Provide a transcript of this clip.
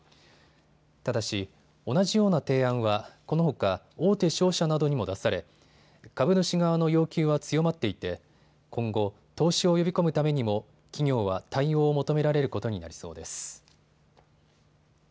ただし、同じような提案は、このほか大手商社などにも出され株主側の要求は強まっていて今後、投資を呼び込むためにも企業は対応を求められることになりそうです。